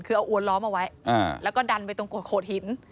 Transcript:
คือเอาอวนล้อมเอาไว้แล้วก็ดันไปตรงโขดหิน